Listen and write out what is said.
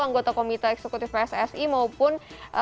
anggota komite eksekutif pssi maupun